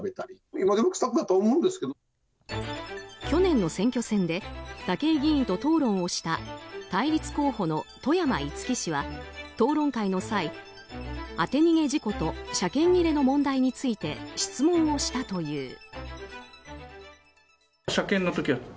去年の選挙戦で武井議員と討論をした対立候補の外山斎氏は討論会の際、当て逃げ事故と車検切れの問題について質問をしたという。